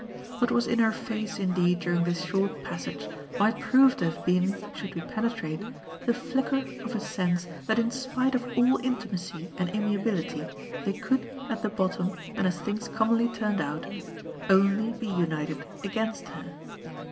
What was in her face indeed during this short passage might prove to have been, should we penetrate, the flicker of a sense that in spite of all intimacy and amiability they could, at bottom and as things commonly turned out, only be united against her.